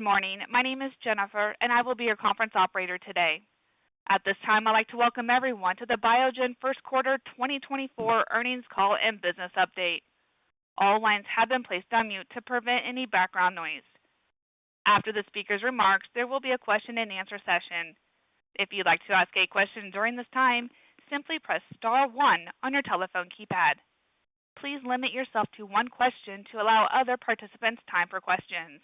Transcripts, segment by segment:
Morning. My name is Jennifer, and I will be your conference operator today. At this time, I'd like to welcome everyone to the Biogen First Quarter 2024 earnings call and business update. All lines have been placed on mute to prevent any background noise. After the speaker's remarks, there will be a question-and-answer session. If you'd like to ask a question during this time, simply press star one on your telephone keypad. Please limit yourself to one question to allow other participants time for questions.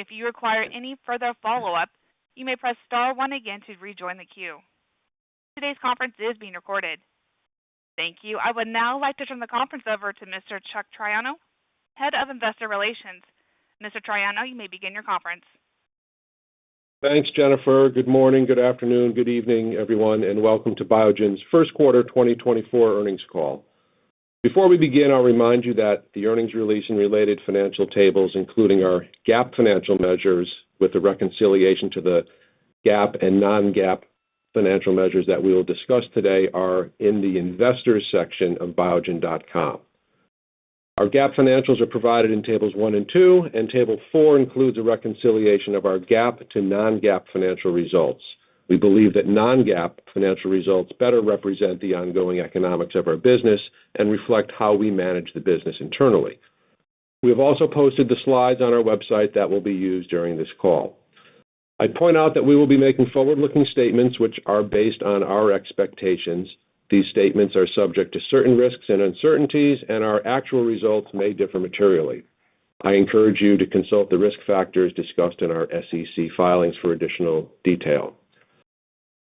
If you require any further follow-up, you may press star one again to rejoin the queue. Today's conference is being recorded. Thank you. I would now like to turn the conference over to Mr. Chuck Triano, Head of Investor Relations. Mr. Triano, you may begin your conference. Thanks, Jennifer. Good morning, good afternoon, good evening, everyone, and welcome to Biogen's First Quarter 2024 earnings call. Before we begin, I'll remind you that the earnings release and related financial tables, including our GAAP financial measures with a reconciliation to the GAAP and non-GAAP financial measures that we will discuss today, are in the investors section of biogen.com. Our GAAP financials are provided in tables one and 2, and table 4 includes a reconciliation of our GAAP to non-GAAP financial results. We believe that non-GAAP financial results better represent the ongoing economics of our business and reflect how we manage the business internally. We have also posted the slides on our website that will be used during this call. I'd point out that we will be making forward-looking statements which are based on our expectations. These statements are subject to certain risks and uncertainties, and our actual results may differ materially. I encourage you to consult the risk factors discussed in our SEC filings for additional detail.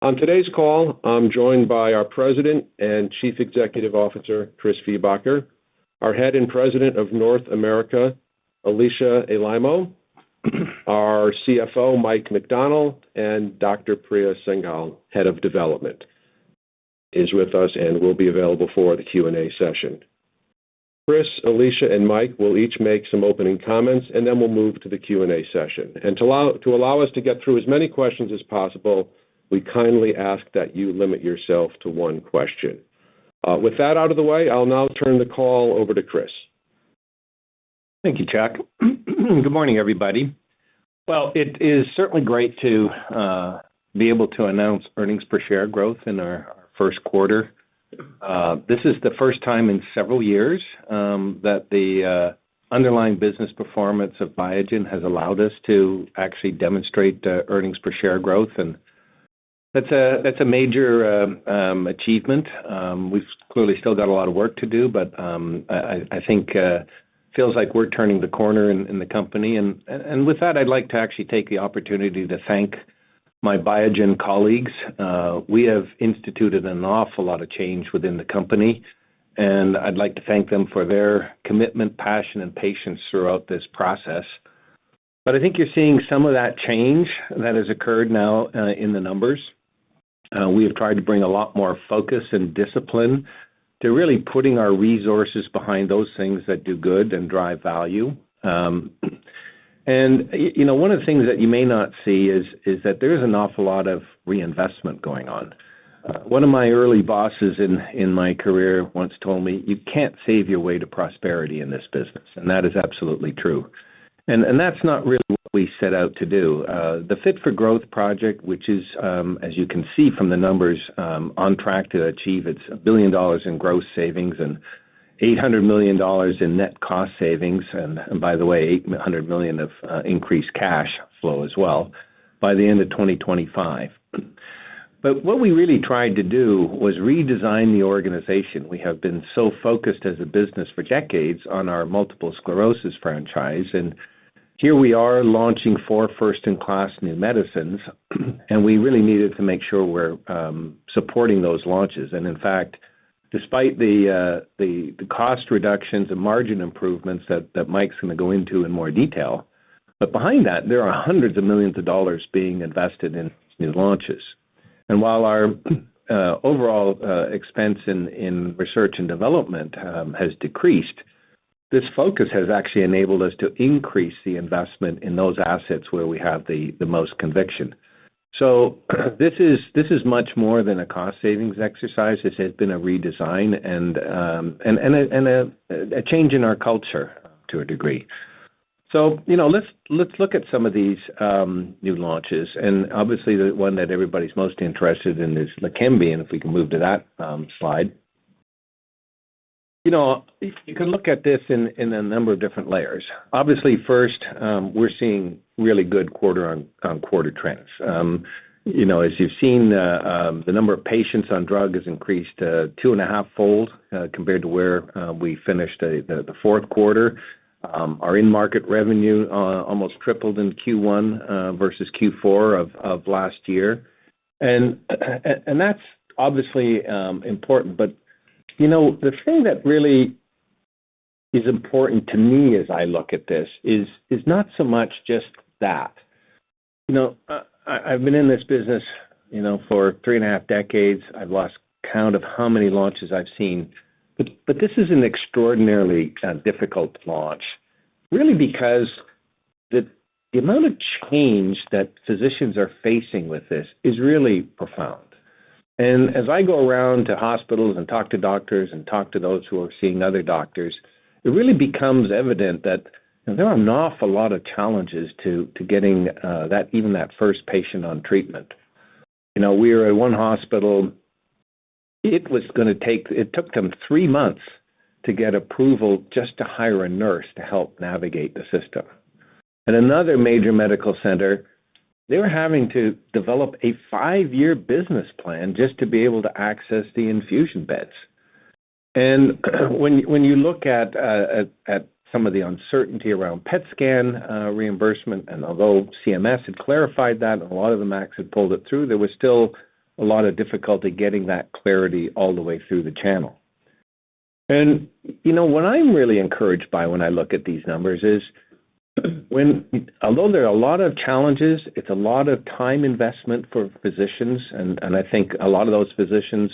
On today's call, I'm joined by our President and Chief Executive Officer Chris Viehbacher, our Head and President of North America, Alisha Alaimo, our CFO, Mike McDonnell, and Dr. Priya Singhal, Head of Development, is with us and will be available for the Q&A session. Chris, Alisha, and Mike will each make some opening comments, and then we'll move to the Q&A session. And to allow us to get through as many questions as possible, we kindly ask that you limit yourself to one question. With that out of the way, I'll now turn the call over to Chris. Thank you, Chuck. Good morning, everybody. Well, it is certainly great to be able to announce earnings per share growth in our first quarter. This is the first time in several years that the underlying business performance of Biogen has allowed us to actually demonstrate earnings per share growth, and that's a major achievement. We've clearly still got a lot of work to do, but I think it feels like we're turning the corner in the company. And with that, I'd like to actually take the opportunity to thank my Biogen colleagues. We have instituted an awful lot of change within the company, and I'd like to thank them for their commitment, passion, and patience throughout this process. But I think you're seeing some of that change that has occurred now in the numbers. We have tried to bring a lot more focus and discipline to really putting our resources behind those things that do good and drive value. One of the things that you may not see is that there is an awful lot of reinvestment going on. One of my early bosses in my career once told me, You can't save your way to prosperity in this business, and that is absolutely true. That's not really what we set out to do. The Fit for Growth project, which is, as you can see from the numbers, on track to achieve, it's $1 billion in gross savings and $800 million in net cost savings and, by the way, $800 million of increased cash flow as well by the end of 2025. What we really tried to do was redesign the organization. We have been so focused as a business for decades on our multiple sclerosis franchise, and here we are launching four first-in-class new medicines, and we really needed to make sure we're supporting those launches. In fact, despite the cost reductions and margin improvements that Mike's going to go into in more detail, but behind that, there are hundreds of millions of dollars being invested in these new launches. While our overall expense in research and development has decreased, this focus has actually enabled us to increase the investment in those assets where we have the most conviction. This is much more than a cost savings exercise. This has been a redesign and a change in our culture to a degree. Let's look at some of these new launches. Obviously, the one that everybody's most interested in is LEQEMBI, and if we can move to that slide. You can look at this in a number of different layers. Obviously, first, we're seeing really good quarter-on-quarter trends. As you've seen, the number of patients on drug has increased 2.5x compared to where we finished the fourth quarter. Our in-market revenue almost tripled in Q1 versus Q4 of last year. That's obviously important. But the thing that really is important to me as I look at this is not so much just that. I've been in this business for 3.5 decades. I've lost count of how many launches I've seen. But this is an extraordinarily difficult launch, really because the amount of change that physicians are facing with this is really profound. And as I go around to hospitals and talk to doctors and talk to those who are seeing other doctors, it really becomes evident that there are an awful lot of challenges to getting even that first patient on treatment. We were at one hospital. It was going to take it took them three months to get approval just to hire a nurse to help navigate the system. At another major medical center, they were having to develop a five-year business plan just to be able to access the infusion beds. And when you look at some of the uncertainty around PET scan reimbursement, and although CMS had clarified that and a lot of the MACs had pulled it through, there was still a lot of difficulty getting that clarity all the way through the channel. What I'm really encouraged by when I look at these numbers is, although there are a lot of challenges, it's a lot of time investment for physicians. And I think a lot of those physicians,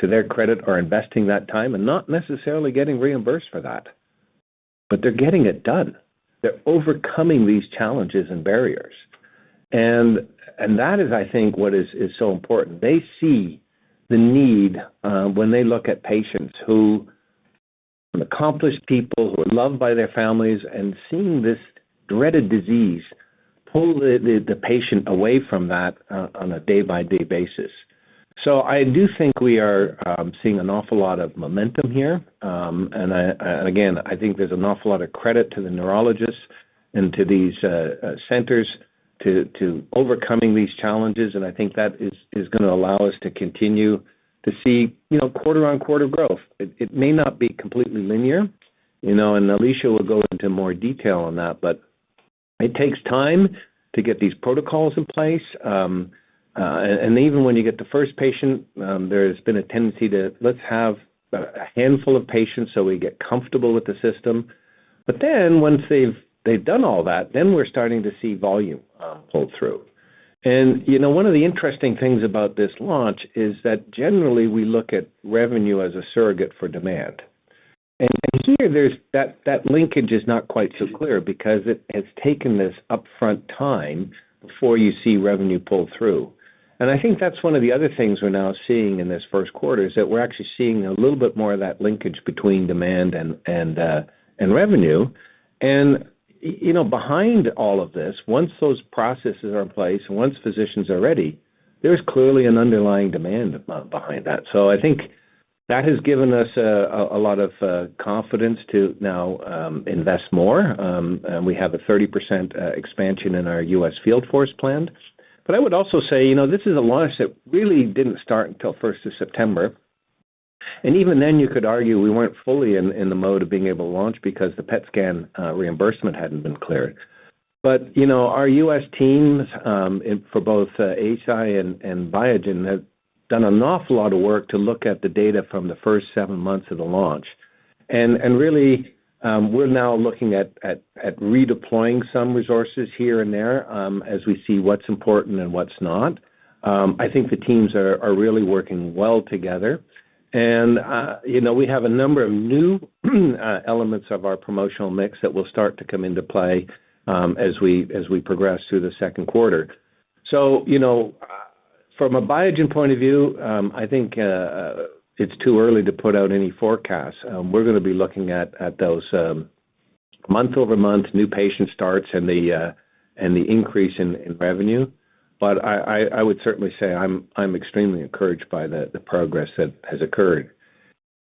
to their credit, are investing that time and not necessarily getting reimbursed for that. But they're getting it done. They're overcoming these challenges and barriers. And that is, I think, what is so important. They see the need when they look at patients who are accomplished people who are loved by their families and seeing this dreaded disease pull the patient away from that on a day-by-day basis. So I do think we are seeing an awful lot of momentum here. And again, I think there's an awful lot of credit to the neurologists and to these centers to overcoming these challenges. And I think that is going to allow us to continue to see quarter-on-quarter growth. It may not be completely linear. And Alisha will go into more detail on that. But it takes time to get these protocols in place. And even when you get the first patient, there has been a tendency to, Let's have a handful of patients so we get comfortable with the system. But then once they've done all that, then we're starting to see volume pull through. And one of the interesting things about this launch is that generally, we look at revenue as a surrogate for demand. And here, that linkage is not quite so clear because it has taken this upfront time before you see revenue pull through. I think that's one of the other things we're now seeing in this first quarter is that we're actually seeing a little bit more of that linkage between demand and revenue. Behind all of this, once those processes are in place and once physicians are ready, there's clearly an underlying demand behind that. I think that has given us a lot of confidence to now invest more. We have a 30% expansion in our U.S. field force plan. I would also say this is a launch that really didn't start until 1st of September. Even then, you could argue we weren't fully in the mode of being able to launch because the PET scan reimbursement hadn't been cleared. But our U.S. teams for both Eisai and Biogen have done an awful lot of work to look at the data from the first seven months of the launch. Really, we're now looking at redeploying some resources here and there as we see what's important and what's not. I think the teams are really working well together. We have a number of new elements of our promotional mix that will start to come into play as we progress through the second quarter. From a Biogen point of view, I think it's too early to put out any forecasts. We're going to be looking at those month-over-month new patient starts and the increase in revenue. But I would certainly say I'm extremely encouraged by the progress that has occurred.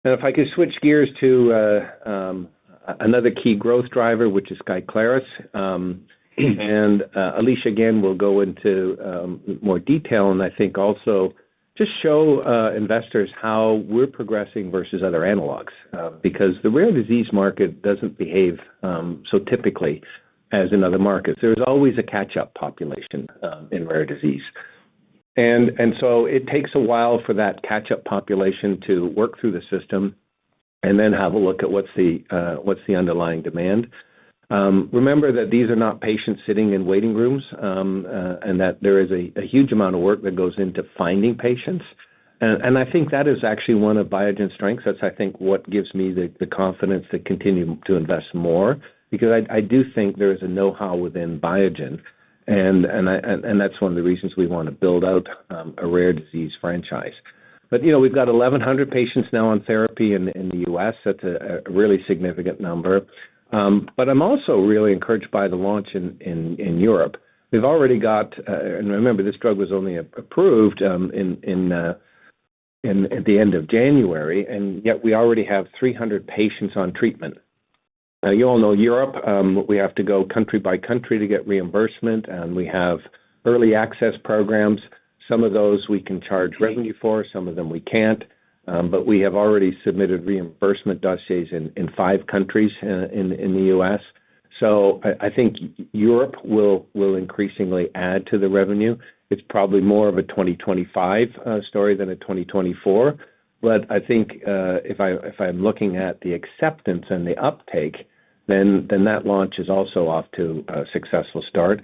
If I could switch gears to another key growth driver, which is SKYCLARYS. Alisha, again, will go into more detail and I think also just show investors how we're progressing versus other analogs because the rare disease market doesn't behave so typically as in other markets. There's always a catch-up population in rare disease. So it takes a while for that catch-up population to work through the system and then have a look at what's the underlying demand. Remember that these are not patients sitting in waiting rooms and that there is a huge amount of work that goes into finding patients. And I think that is actually one of Biogen's strengths. That's, I think, what gives me the confidence to continue to invest more because I do think there is a know-how within Biogen, and that's one of the reasons we want to build out a rare disease franchise. But we've got 1,100 patients now on therapy in the U.S.. That's a really significant number. But I'm also really encouraged by the launch in Europe. We've already got and remember, this drug was only approved at the end of January, and yet we already have 300 patients on treatment. Now, you all know Europe, we have to go country by country to get reimbursement, and we have early access programs. Some of those we can charge revenue for. Some of them we can't. But we have already submitted reimbursement dossiers in five countries in the EU. So I think Europe will increasingly add to the revenue. It's probably more of a 2025 story than a 2024. But I think if I'm looking at the acceptance and the uptake, then that launch is also off to a successful start.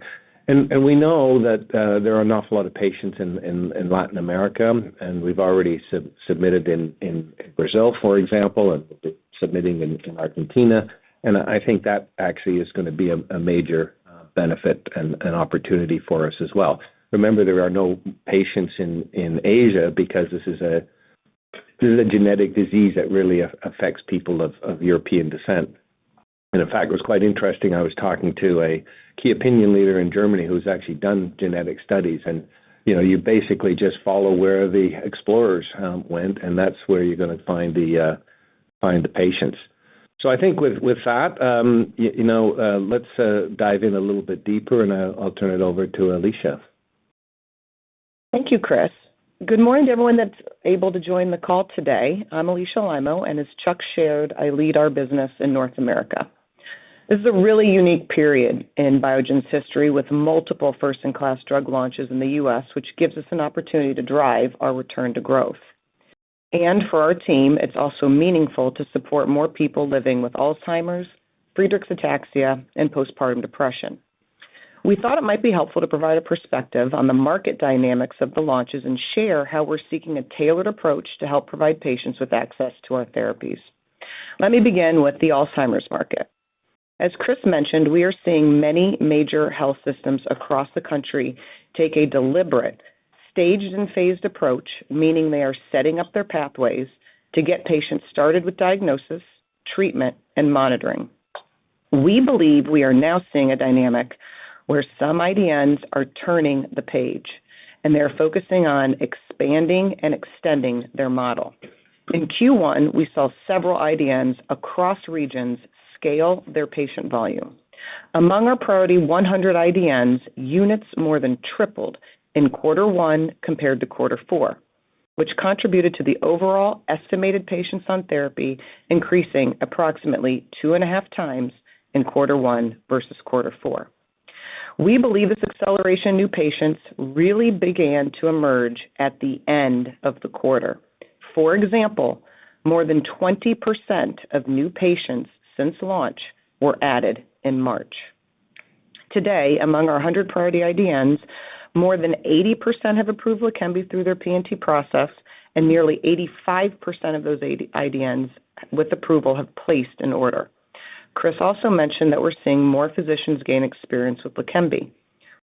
We know that there are an awful lot of patients in Latin America, and we've already submitted in Brazil, for example, and we'll be submitting in Argentina. I think that actually is going to be a major benefit and opportunity for us as well. Remember, there are no patients in Asia because this is a genetic disease that really affects people of European descent. In fact, it was quite interesting. I was talking to a key opinion leader in Germany who's actually done genetic studies. You basically just follow where the explorers went, and that's where you're going to find the patients. I think with that, let's dive in a little bit deeper, and I'll turn it over to Alisha. Thank you, Chris. Good morning, everyone that's able to join the call today. I'm Alisha Alaimo, and as Chuck shared, I lead our business in North America. This is a really unique period in Biogen's history with multiple first-in-class drug launches in the U.S., which gives us an opportunity to drive our return to growth. For our team, it's also meaningful to support more people living with Alzheimer's, Friedreich's ataxia, and postpartum depression. We thought it might be helpful to provide a perspective on the market dynamics of the launches and share how we're seeking a tailored approach to help provide patients with access to our therapies. Let me begin with the Alzheimer's market. As Chris mentioned, we are seeing many major health systems across the country take a deliberate, staged-and-phased approach, meaning they are setting up their pathways to get patients started with diagnosis, treatment, and monitoring. We believe we are now seeing a dynamic where some IDNs are turning the page, and they're focusing on expanding and extending their model. In Q1, we saw several IDNs across regions scale their patient volume. Among our priority 100 IDNs, units more than tripled in quarter one compared to quarter four, which contributed to the overall estimated patients on therapy increasing approximately 2.5 times in quarter one versus quarter four. We believe this acceleration in new patients really began to emerge at the end of the quarter. For example, more than 20% of new patients since launch were added in March. Today, among our 100 priority IDNs, more than 80% have approved LEQEMBI through their P&T process, and nearly 85% of those IDNs with approval have placed an order. Chris also mentioned that we're seeing more physicians gain experience with LEQEMBI.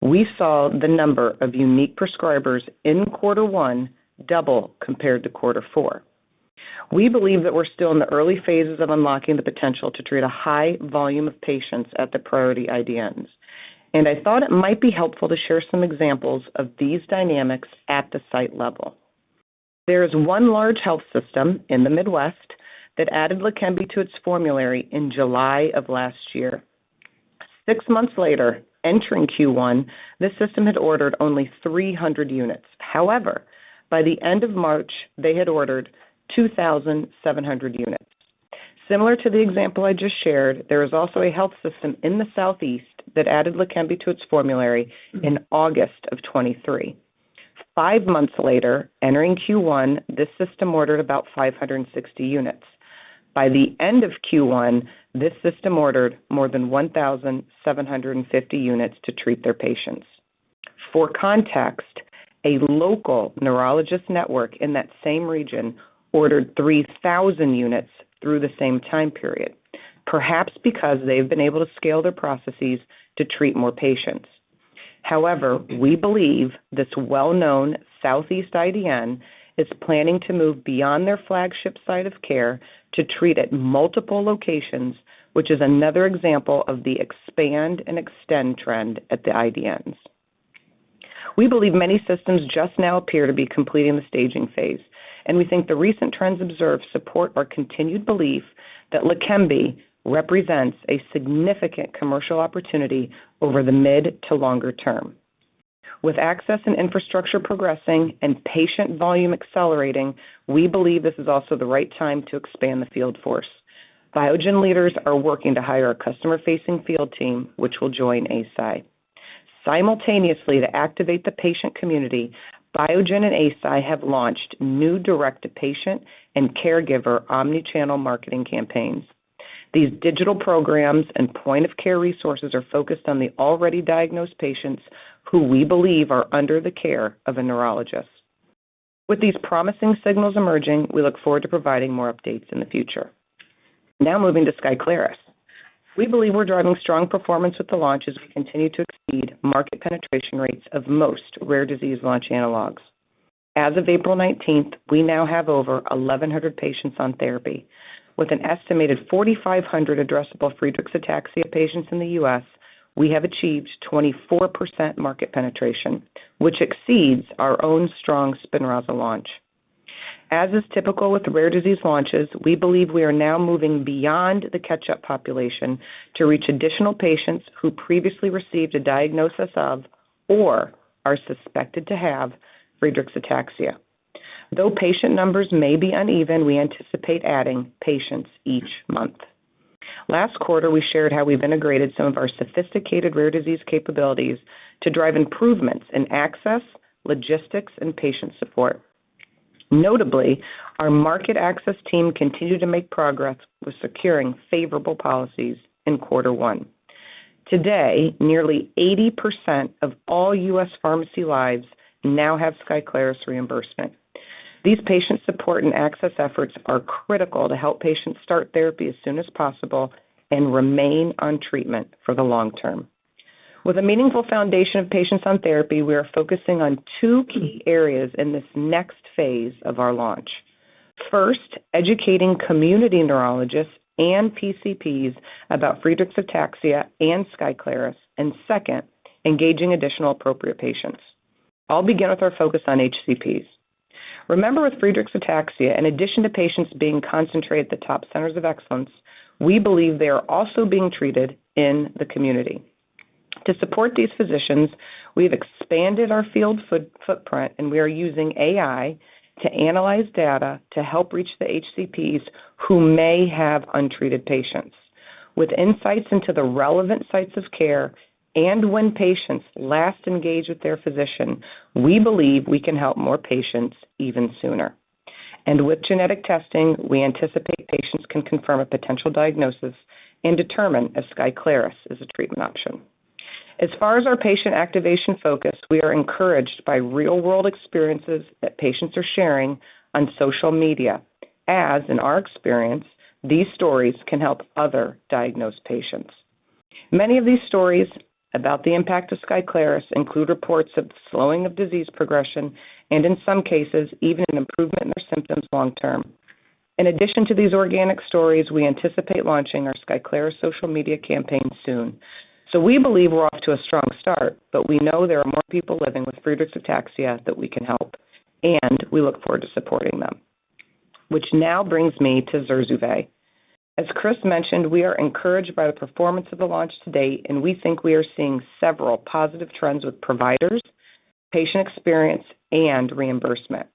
We saw the number of unique prescribers in quarter one double compared to quarter four. We believe that we're still in the early phases of unlocking the potential to treat a high volume of patients at the priority IDNs. I thought it might be helpful to share some examples of these dynamics at the site level. There is one large health system in the Midwest that added LEQEMBI to its formulary in July of last year. Six months later, entering Q1, this system had ordered only 300 units. However, by the end of March, they had ordered 2,700 units. Similar to the example I just shared, there is also a health system in the Southeast that added LEQEMBI to its formulary in August of 2023. Five months later, entering Q1, this system ordered about 560 units. By the end of Q1, this system ordered more than 1,750 units to treat their patients. For context, a local neurologist network in that same region ordered 3,000 units through the same time period, perhaps because they've been able to scale their processes to treat more patients. However, we believe this well-known Southeast IDN is planning to move beyond their flagship site of care to treat at multiple locations, which is another example of the expand-and-extend trend at the IDNs. We believe many systems just now appear to be completing the staging phase, and we think the recent trends observed support our continued belief that LEQEMBI represents a significant commercial opportunity over the mid to longer term. With access and infrastructure progressing and patient volume accelerating, we believe this is also the right time to expand the field force. Biogen leaders are working to hire a customer-facing field team, which will join HI. Simultaneously, to activate the patient community, Biogen and HI have launched new direct-to-patient and caregiver omnichannel marketing campaigns. These digital programs and point-of-care resources are focused on the already diagnosed patients who we believe are under the care of a neurologist. With these promising signals emerging, we look forward to providing more updates in the future. Now moving to SKYCLARYS. We believe we're driving strong performance with the launch as we continue to exceed market penetration rates of most rare disease launch analogs. As of April 19th, we now have over 1,100 patients on therapy. With an estimated 4,500 addressable Friedreich's ataxia patients in the US, we have achieved 24% market penetration, which exceeds our own strong Spinraza launch. As is typical with rare disease launches, we believe we are now moving beyond the catch-up population to reach additional patients who previously received a diagnosis of or are suspected to have Friedreich's ataxia. Though patient numbers may be uneven, we anticipate adding patients each month. Last quarter, we shared how we've integrated some of our sophisticated rare disease capabilities to drive improvements in access, logistics, and patient support. Notably, our market access team continued to make progress with securing favorable policies in quarter one. Today, nearly 80% of all U.S. pharmacy lives now have SKYCLARYS reimbursement. These patient support and access efforts are critical to help patients start therapy as soon as possible and remain on treatment for the long term. With a meaningful foundation of patients on therapy, we are focusing on two key areas in this next phase of our launch. First, educating community neurologists and PCPs about Friedreich's ataxia and SKYCLARYS. Second, engaging additional appropriate patients. I'll begin with our focus on HCPs. Remember, with Friedreich's ataxia, in addition to patients being concentrated at the top centers of excellence, we believe they are also being treated in the community. To support these physicians, we have expanded our field footprint, and we are using AI to analyze data to help reach the HCPs who may have untreated patients. With insights into the relevant sites of care and when patients last engage with their physician, we believe we can help more patients even sooner. With genetic testing, we anticipate patients can confirm a potential diagnosis and determine if SKYCLARYS is a treatment option. As far as our patient activation focus, we are encouraged by real-world experiences that patients are sharing on social media. As in our experience, these stories can help other diagnosed patients. Many of these stories about the impact of SKYCLARYS include reports of slowing of disease progression and, in some cases, even an improvement in their symptoms long term. In addition to these organic stories, we anticipate launching our SKYCLARYS social media campaign soon. So we believe we're off to a strong start, but we know there are more people living with Friedreich's ataxia that we can help, and we look forward to supporting them. Which now brings me to ZURZUVAE. As Chris mentioned, we are encouraged by the performance of the launch to date, and we think we are seeing several positive trends with providers, patient experience, and reimbursement.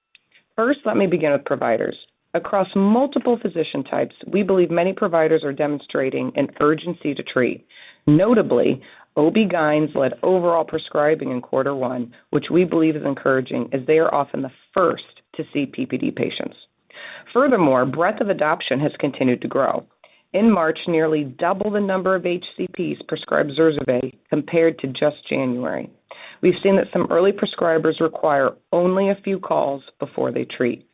First, let me begin with providers. Across multiple physician types, we believe many providers are demonstrating an urgency to treat. Notably, OB-GYNs led overall prescribing in quarter one, which we believe is encouraging as they are often the first to see PPD patients. Furthermore, breadth of adoption has continued to grow. In March, nearly double the number of HCPs prescribed ZURZUVAE compared to just January. We've seen that some early prescribers require only a few calls before they treat.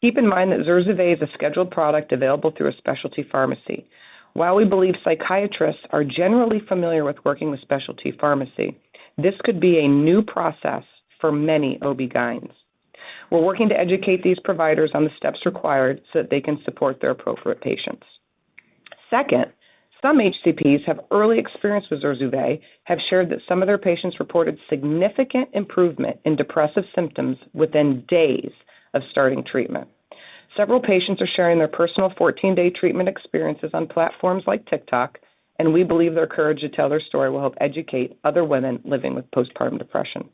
Keep in mind that ZURZUVAE is a scheduled product available through a specialty pharmacy. While we believe psychiatrists are generally familiar with working with specialty pharmacy, this could be a new process for many OB-GYNs. We're working to educate these providers on the steps required so that they can support their appropriate patients. Second, some HCPs have early experience with ZURZUVAE, have shared that some of their patients reported significant improvement in depressive symptoms within days of starting treatment. Several patients are sharing their personal 14-day treatment experiences on platforms like TikTok, and we believe their courage to tell their story will help educate other women living with postpartum depression.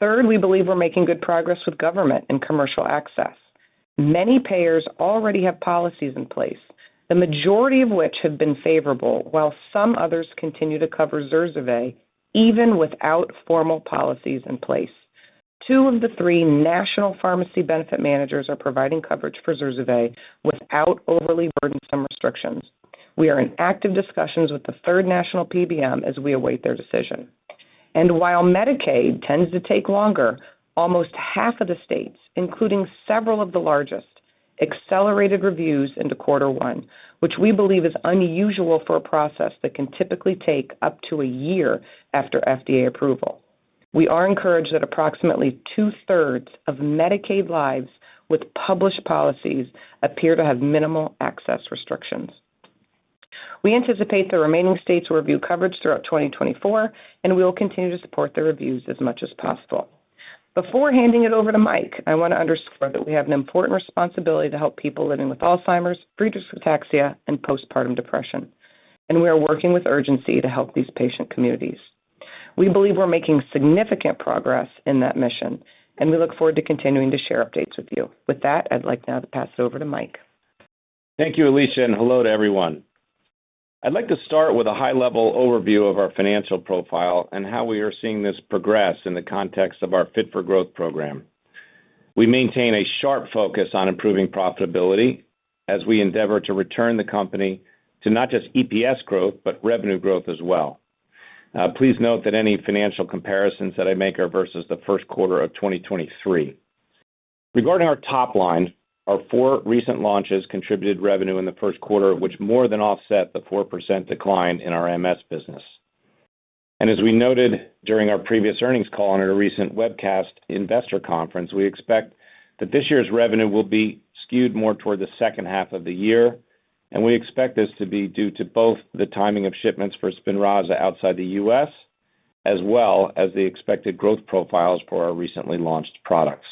Third, we believe we're making good progress with government and commercial access. Many payers already have policies in place, the majority of which have been favorable, while some others continue to cover ZURZUVAE even without formal policies in place. Two of the three national pharmacy benefit managers are providing coverage for ZURZUVAE without overly burdensome restrictions. We are in active discussions with the third national PBM as we await their decision. And while Medicaid tends to take longer, almost half of the states, including several of the largest, accelerated reviews into quarter one, which we believe is unusual for a process that can typically take up to a year after FDA approval. We are encouraged that approximately two-thirds of Medicaid lives with published policies appear to have minimal access restrictions. We anticipate the remaining states will review coverage throughout 2024, and we will continue to support their reviews as much as possible. Before handing it over to Mike, I want to underscore that we have an important responsibility to help people living with Alzheimer's, Friedreich's ataxia, and postpartum depression, and we are working with urgency to help these patient communities. We believe we're making significant progress in that mission, and we look forward to continuing to share updates with you. With that, I'd like now to pass it over to Mike. Thank you, Alisha, and hello to everyone. I'd like to start with a high-level overview of our financial profile and how we are seeing this progress in the context of our Fit for Growth program. We maintain a sharp focus on improving profitability as we endeavor to return the company to not just EPS growth but revenue growth as well. Please note that any financial comparisons that I make are versus the first quarter of 2023. Regarding our top line, our four recent launches contributed revenue in the first quarter, which more than offset the 4% decline in our MS business. As we noted during our previous earnings call and in a recent webcast investor conference, we expect that this year's revenue will be skewed more toward the second half of the year, and we expect this to be due to both the timing of shipments for SPINRAZA outside the U.S. as well as the expected growth profiles for our recently launched products.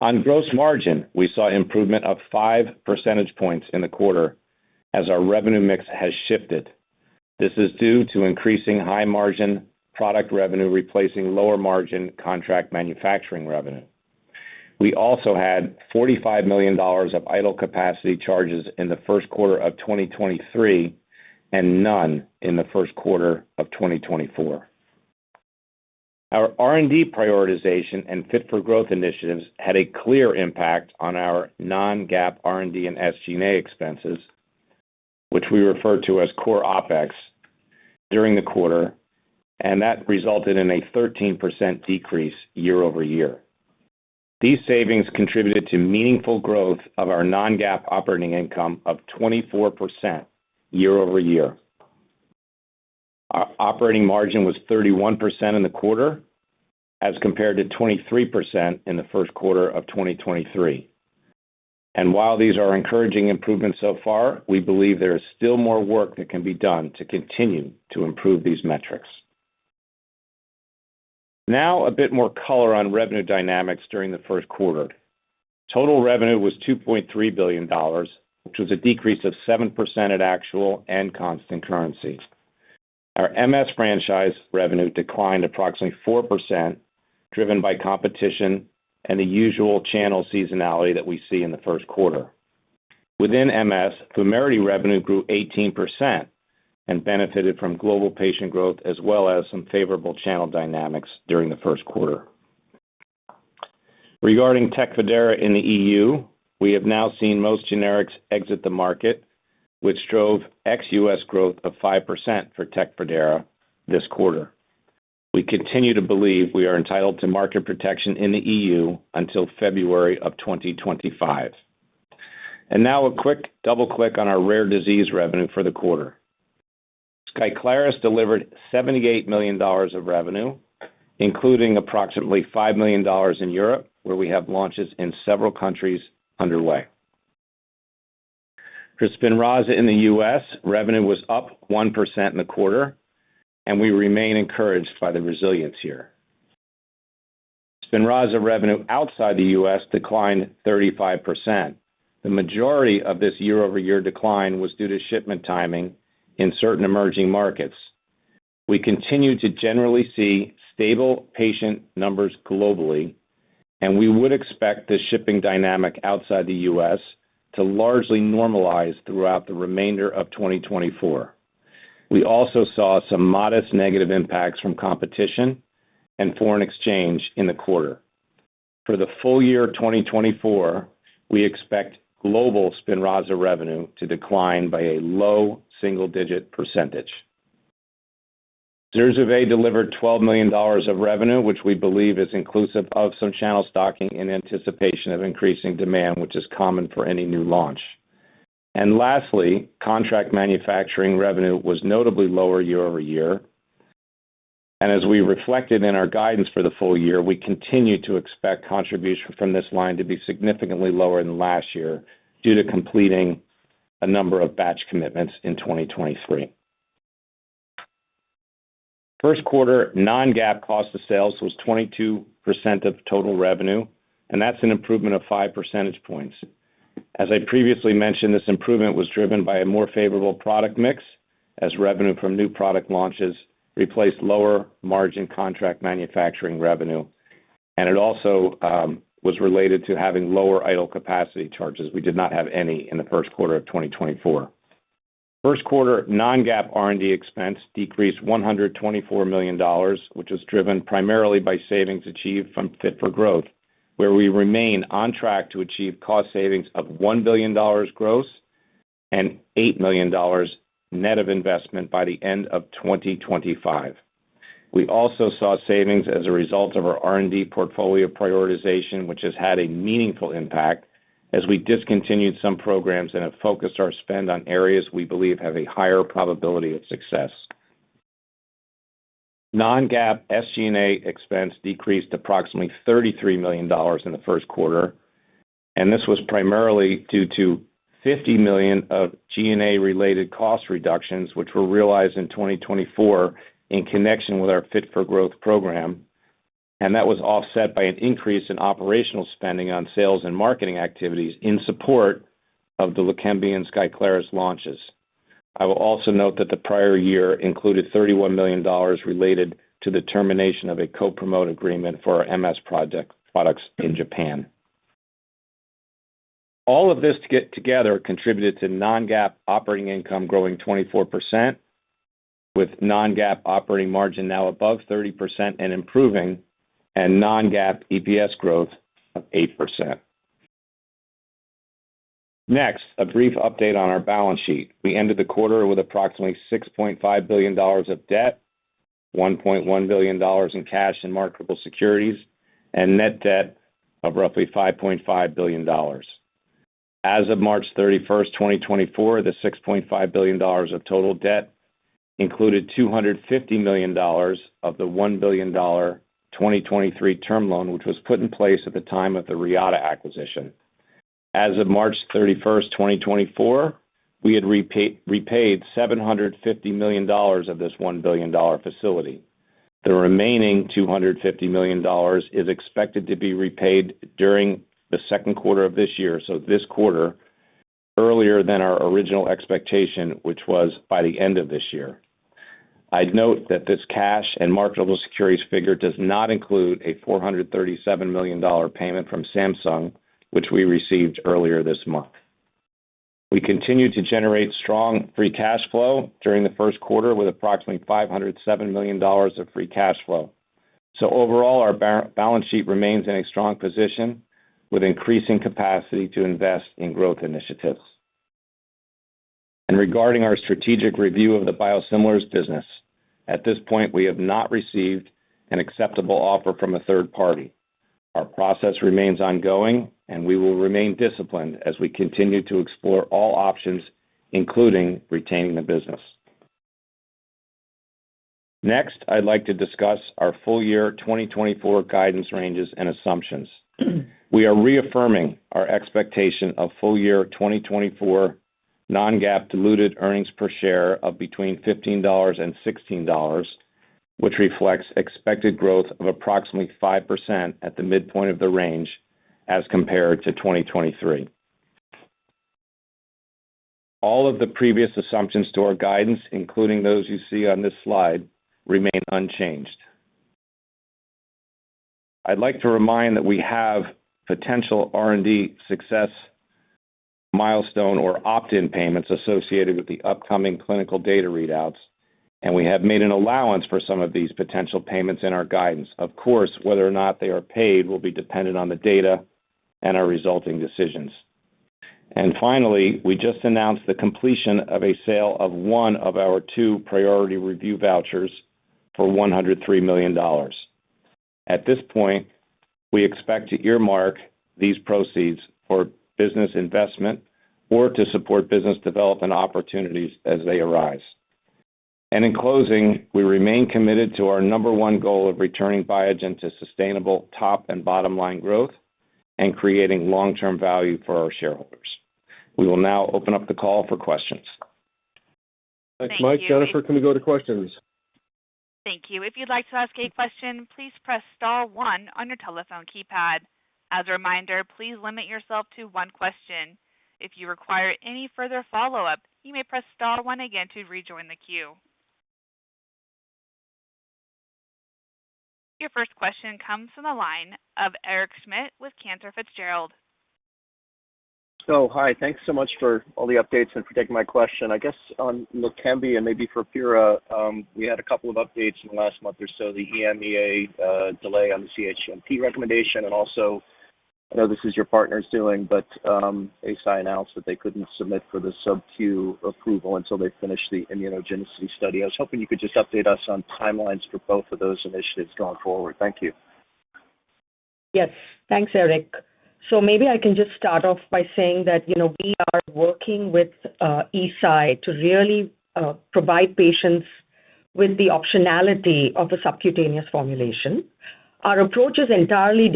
On gross margin, we saw improvement of 5 percentage points in the quarter as our revenue mix has shifted. This is due to increasing high-margin product revenue replacing lower-margin contract manufacturing revenue. We also had $45 million of idle capacity charges in the first quarter of 2023 and none in the first quarter of 2024. Our R&D prioritization and Fit for Growth initiatives had a clear impact on our non-GAAP R&D and SG&A expenses, which we refer to as core OPEX, during the quarter, and that resulted in a 13% decrease year-over-year. These savings contributed to meaningful growth of our non-GAAP operating income of 24% year-over-year. Our operating margin was 31% in the quarter as compared to 23% in the first quarter of 2023. While these are encouraging improvements so far, we believe there is still more work that can be done to continue to improve these metrics. Now a bit more color on revenue dynamics during the first quarter. Total revenue was $2.3 billion, which was a decrease of 7% at actual and constant currency. Our MS franchise revenue declined approximately 4% driven by competition and the usual channel seasonality that we see in the first quarter. Within MS, VUMERITY revenue grew 18% and benefited from global patient growth as well as some favorable channel dynamics during the first quarter. Regarding TECFIDERA in the EU, we have now seen most generics exit the market, which drove ex-U.S. growth of 5% for TECFIDERA this quarter. We continue to believe we are entitled to market protection in the EU until February of 2025. And now a quick double-click on our rare disease revenue for the quarter. SKYCLARYS delivered $78 million of revenue, including approximately $5 million in Europe, where we have launches in several countries underway. For SPINRAZA in the US, revenue was up 1% in the quarter, and we remain encouraged by the resilience here. SPINRAZA revenue outside the US declined 35%. The majority of this year-over-year decline was due to shipment timing in certain emerging markets. We continue to generally see stable patient numbers globally, and we would expect the shipping dynamic outside the U.S. to largely normalize throughout the remainder of 2024. We also saw some modest negative impacts from competition and foreign exchange in the quarter. For the full year 2024, we expect global SPINRAZA revenue to decline by a low single-digit %. ZURZUVAE delivered $12 million of revenue, which we believe is inclusive of some channel stocking in anticipation of increasing demand, which is common for any new launch. And lastly, contract manufacturing revenue was notably lower year-over-year. And as we reflected in our guidance for the full year, we continue to expect contribution from this line to be significantly lower than last year due to completing a number of batch commitments in 2023. First quarter non-GAAP cost of sales was 22% of total revenue, and that's an improvement of 5 percentage points. As I previously mentioned, this improvement was driven by a more favorable product mix as revenue from new product launches replaced lower-margin contract manufacturing revenue, and it also was related to having lower idle capacity charges. We did not have any in the first quarter of 2024. First quarter non-GAAP R&D expense decreased $124 million, which was driven primarily by savings achieved from Fit for Growth, where we remain on track to achieve cost savings of $1 billion gross and $8 million net of investment by the end of 2025. We also saw savings as a result of our R&D portfolio prioritization, which has had a meaningful impact as we discontinued some programs and have focused our spend on areas we believe have a higher probability of success. Non-GAAP SG&A expense decreased approximately $33 million in the first quarter, and this was primarily due to $50 million of G&A-related cost reductions, which were realized in 2024 in connection with our Fit for Growth program, and that was offset by an increase in operational spending on sales and marketing activities in support of the LEQEMBI and SKYCLARYS launches. I will also note that the prior year included $31 million related to the termination of a co-promote agreement for our MS products in Japan. All of this together contributed to non-GAAP operating income growing 24%, with non-GAAP operating margin now above 30% and improving, and non-GAAP EPS growth of 8%. Next, a brief update on our balance sheet. We ended the quarter with approximately $6.5 billion of debt, $1.1 billion in cash and marketable securities, and net debt of roughly $5.5 billion. As of March 31st, 2024, the $6.5 billion of total debt included $250 million of the $1 billion 2023 term loan, which was put in place at the time of the Reata acquisition. As of March 31st, 2024, we had repaid $750 million of this $1 billion facility. The remaining $250 million is expected to be repaid during the second quarter of this year, so this quarter, earlier than our original expectation, which was by the end of this year. I'd note that this cash and marketable securities figure does not include a $437 million payment from Samsung, which we received earlier this month. We continue to generate strong free cash flow during the first quarter with approximately $507 million of free cash flow. So overall, our balance sheet remains in a strong position with increasing capacity to invest in growth initiatives. Regarding our strategic review of the biosimilars business, at this point, we have not received an acceptable offer from a third party. Our process remains ongoing, and we will remain disciplined as we continue to explore all options, including retaining the business. Next, I'd like to discuss our full year 2024 guidance ranges and assumptions. We are reaffirming our expectation of full year 2024 non-GAAP diluted earnings per share of between $15 and $16, which reflects expected growth of approximately 5% at the midpoint of the range as compared to 2023. All of the previous assumptions to our guidance, including those you see on this slide, remain unchanged. I'd like to remind that we have potential R&D success milestone or opt-in payments associated with the upcoming clinical data readouts, and we have made an allowance for some of these potential payments in our guidance. Of course, whether or not they are paid will be dependent on the data and our resulting decisions. Finally, we just announced the completion of a sale of one of our two priority review vouchers for $103 million. At this point, we expect to earmark these proceeds for business investment or to support business development opportunities as they arise. In closing, we remain committed to our number one goal of returning Biogen to sustainable top and bottom line growth and creating long-term value for our shareholders. We will now open up the call for questions. Thanks, Mike. Jennifer, can we go to questions? Thank you. If you'd like to ask a question, please press star one on your telephone keypad. As a reminder, please limit yourself to one question. If you require any further follow-up, you may press star one again to rejoin the queue. Your first question comes from the line of Eric Schmidt with Cantor Fitzgerald. Hi. Thanks so much for all the updates and for taking my question. I guess on LEQEMBI and maybe for Priya, we had a couple of updates in the last month or so, the EMEA delay on the CHMP recommendation. And also, I know this is your partner's doing, but Eisai announced that they couldn't submit for the Sub-Q approval until they finished the immunogenicity study. I was hoping you could just update us on timelines for both of those initiatives going forward. Thank you. Yes. Thanks, Eric. So maybe I can just start off by saying that we are working with Eisai to really provide patients with the optionality of a subcutaneous formulation. Our approach is entirely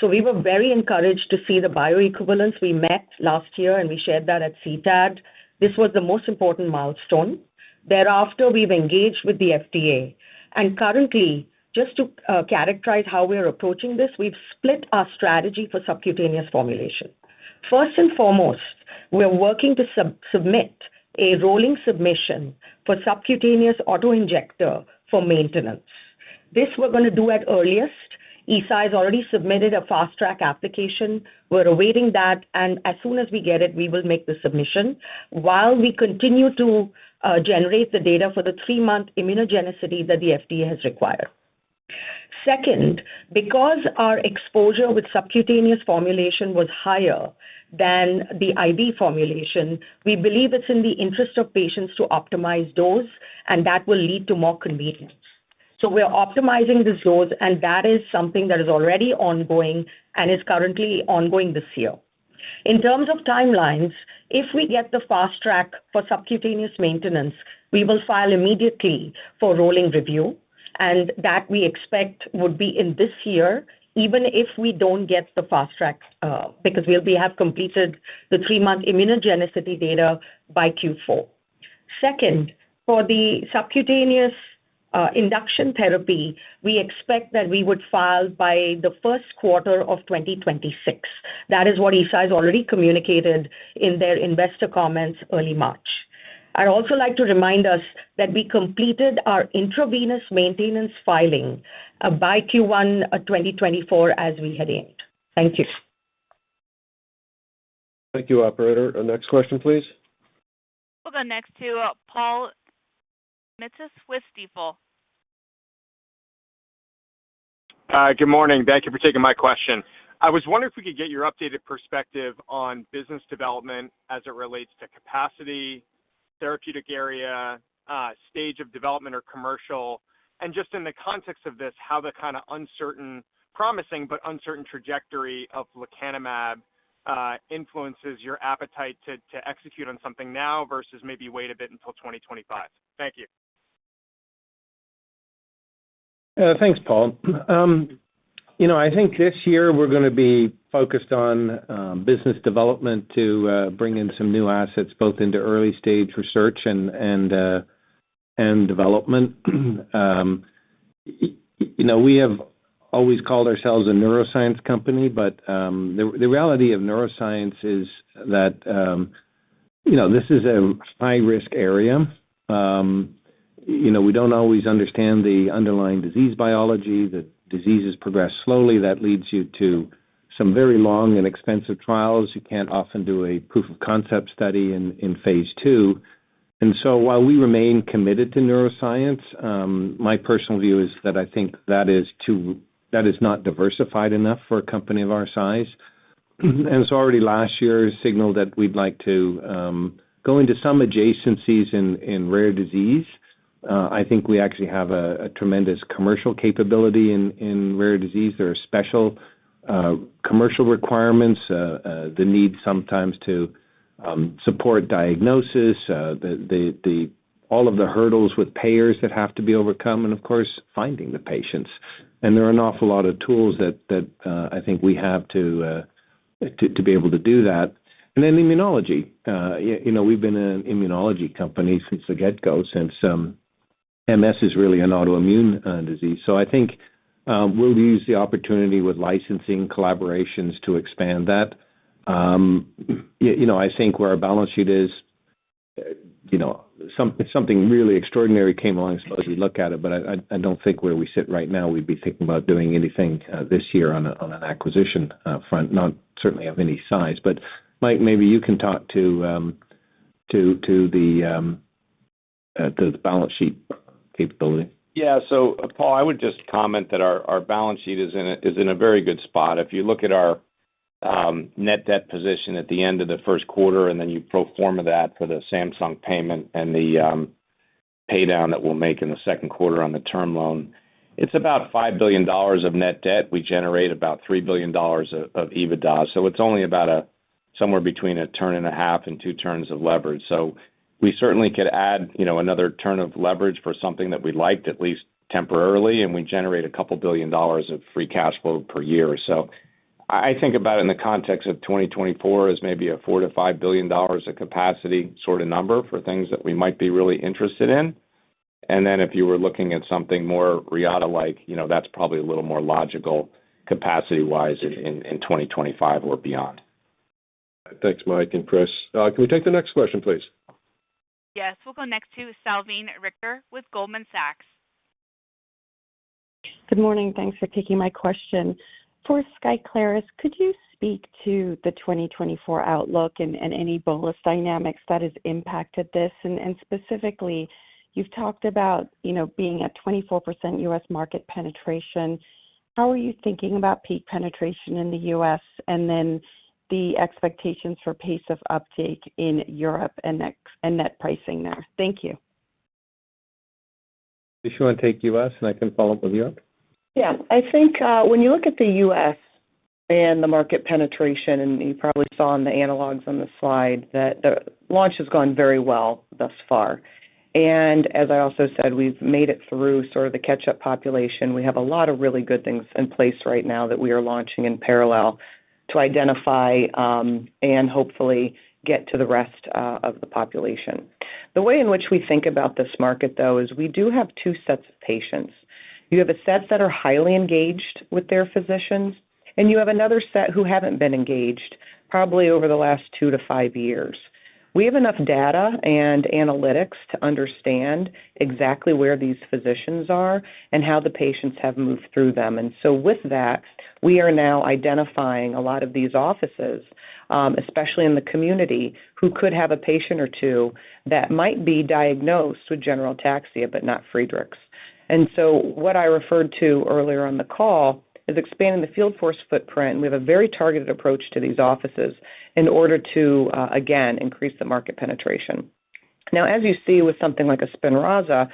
data-driven. We were very encouraged to see the bioequivalence. We met last year, and we shared that at CTAD. This was the most important milestone. Thereafter, we've engaged with the FDA. Currently, just to characterize how we are approaching this, we've split our strategy for subcutaneous formulation. First and foremost, we're working to submit a rolling submission for subcutaneous autoinjector for maintenance. This we're going to do at earliest. Eisai has already submitted a fast-track application. We're awaiting that. And as soon as we get it, we will make the submission while we continue to generate the data for the three-month immunogenicity that the FDA has required. Second, because our exposure with subcutaneous formulation was higher than the IV formulation, we believe it's in the interest of patients to optimize dose, and that will lead to more convenience. So we're optimizing these doses, and that is something that is already ongoing and is currently ongoing this year. In terms of timelines, if we get the fast-track for subcutaneous maintenance, we will file immediately for rolling review, and that we expect would be in this year, even if we don't get the fast-track because we'll have completed the three-month immunogenicity data by Q4. Second, for the subcutaneous induction therapy, we expect that we would file by the first quarter of 2026. That is what Eisai has already communicated in their investor comments early March. I'd also like to remind us that we completed our intravenous maintenance filing by Q1 of 2024 as we had aimed. Thank you. Thank you, operator. Next question, please. We'll go next to Paul Matteis with Stifel. Good morning. Thank you for taking my question. I was wondering if we could get your updated perspective on business development as it relates to capacity, therapeutic area, stage of development or commercial, and just in the context of this, how the kind of uncertain, promising but uncertain trajectory of Lecanemab influences your appetite to execute on something now versus maybe wait a bit until 2025? Thank you. Thanks, Paul. I think this year we're going to be focused on business development to bring in some new assets both into early-stage research and development. We have always called ourselves a neuroscience company, but the reality of neuroscience is that this is a high-risk area. We don't always understand the underlying disease biology. The diseases progress slowly. That leads you to some very long and expensive trials. You can't often do a proof of concept study in phase II. And so while we remain committed to neuroscience, my personal view is that I think that is not diversified enough for a company of our size. And so already last year signaled that we'd like to go into some adjacencies in rare disease. I think we actually have a tremendous commercial capability in rare disease. There are special commercial requirements, the need sometimes to support diagnosis, all of the hurdles with payers that have to be overcome, and of course, finding the patients. There are an awful lot of tools that I think we have to be able to do that. Then immunology. We've been an immunology company since the get-go, since MS is really an autoimmune disease. So I think we'll use the opportunity with licensing collaborations to expand that. I think where our balance sheet is, something really extraordinary came along as far as we look at it, but I don't think where we sit right now, we'd be thinking about doing anything this year on an acquisition front, certainly of any size. But Mike, maybe you can talk to the balance sheet capability. Yeah. So Paul, I would just comment that our balance sheet is in a very good spot. If you look at our net debt position at the end of the first quarter and then you pro forma that for the Samsung payment and the paydown that we'll make in the second quarter on the term loan, it's about $5 billion of net debt. We generate about $3 billion of EBITDA. So it's only about somewhere between a turn and a half and two turns of leverage. So we certainly could add another turn of leverage for something that we liked, at least temporarily, and we generate a couple billion dollars of free cash flow per year. So I think about it in the context of 2024 as maybe a $4-$5 billion of capacity sort of number for things that we might be really interested in. And then if you were looking at something more Reata-like, that's probably a little more logical capacity-wise in 2025 or beyond. Thanks, Mike. Chris, can we take the next question, please? Yes. We'll go next to Salveen Richter with Goldman Sachs. Good morning. Thanks for taking my question. For SKYCLARYS, could you speak to the 2024 outlook and any bonus dynamics that has impacted this? And specifically, you've talked about being at 24% U.S. market penetration. How are you thinking about peak penetration in the U.S. and then the expectations for pace of uptake in Europe and net pricing there? Thank you. Do you want to take U.S., and I can follow up with Europe? Yeah. I think when you look at the U.S. and the market penetration, and you probably saw in the analogs on the slide, the launch has gone very well thus far. And as I also said, we've made it through sort of the catch-up population. We have a lot of really good things in place right now that we are launching in parallel to identify and hopefully get to the rest of the population. The way in which we think about this market, though, is we do have two sets of patients. You have a set that are highly engaged with their physicians, and you have another set who haven't been engaged probably over the last two to five years. We have enough data and analytics to understand exactly where these physicians are and how the patients have moved through them. And so with that, we are now identifying a lot of these offices, especially in the community, who could have a patient or two that might be diagnosed with general ataxia but not Friedreich's. And so what I referred to earlier on the call is expanding the field force footprint. And we have a very targeted approach to these offices in order to, again, increase the market penetration. Now, as you see, with something like a SPINRAZA,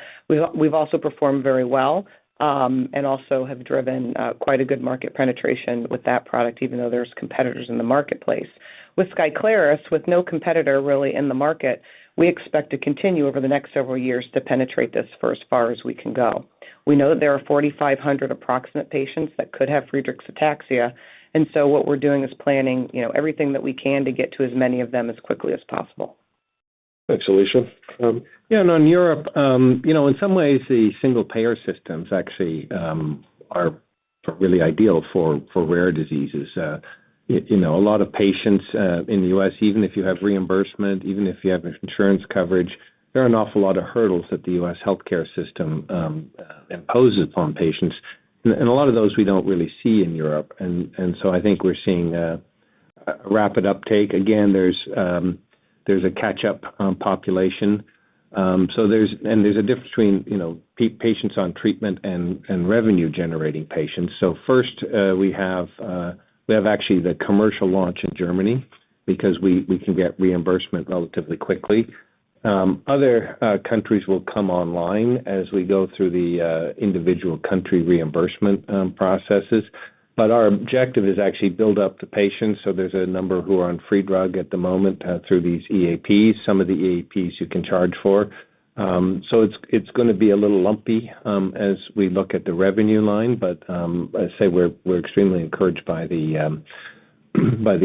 we've also performed very well and also have driven quite a good market penetration with that product, even though there's competitors in the marketplace. With SKYCLARYS, with no competitor really in the market, we expect to continue over the next several years to penetrate this for as far as we can go. We know that there are 4,500 approximate patients that could have Friedreich's ataxia. And so what we're doing is planning everything that we can to get to as many of them as quickly as possible. Thanks, Alicia. Yeah. And on Europe, in some ways, the single-payer systems actually are really ideal for rare diseases. A lot of patients in the U.S., even if you have reimbursement, even if you have insurance coverage, there are an awful lot of hurdles that the U.S. healthcare system imposes upon patients. And a lot of those we don't really see in Europe. And so I think we're seeing a rapid uptake. Again, there's a catch-up population. And there's a difference between patients on treatment and revenue-generating patients. So first, we have actually the commercial launch in Germany because we can get reimbursement relatively quickly. Other countries will come online as we go through the individual country reimbursement processes. But our objective is actually to build up the patients. So there's a number who are on free drug at the moment through these EAPs, some of the EAPs you can charge for. So it's going to be a little lumpy as we look at the revenue line. But I say we're extremely encouraged by the